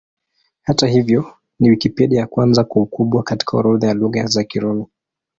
Hata hivyo, ni Wikipedia ya kwanza kwa ukubwa katika orodha ya Lugha za Kirumi.